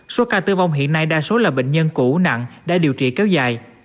số ca tử vong hiện nay đa số là bệnh nhân cũ nặng đã điều trị kéo dài